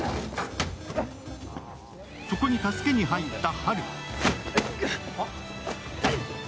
そこに助けに入ったハル。